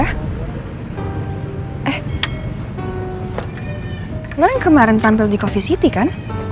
eh lo yang kemarin tampil di coffee city kan